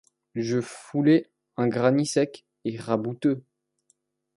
Je foulais un granit sec et raboteux !